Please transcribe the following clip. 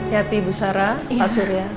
tapi ibu sarah pak surya